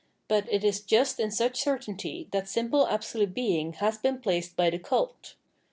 But it is just in such certainty that simple absolute Being has been placed by the cult.